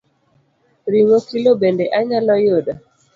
Ring’o kilo bende anyalo yudo?